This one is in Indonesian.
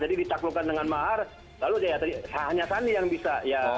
jadi ditaklukan dengan mahar lalu hanya sandi yang bisa